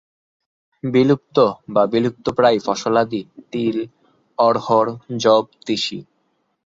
বিলুপ্ত বা বিলুপ্তপ্রায় ফসলাদি তিল, অড়হর, যব, তিসি।